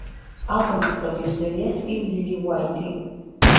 ალბომის პროდიუსერია სტივ ლილიუაიტი.